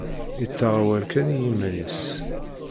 Yettaɣ awal kan i yiman-is.